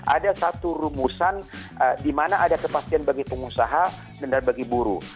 ada satu rumusan di mana ada kepastian bagi pengusaha dan bagi buruh